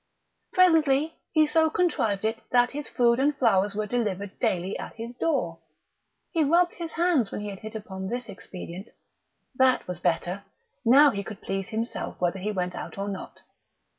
Presently he so contrived it that his food and flowers were delivered daily at his door. He rubbed his hands when he had hit upon this expedient. That was better! Now he could please himself whether he went out or not....